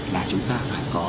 là chúng ta phải có